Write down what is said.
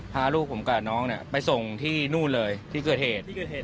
พาลูกผมกับน้องไปส่งที่นู่นเลยที่เกิดเหตุ